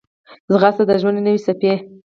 ځغاسته د ژوند د نوې څپې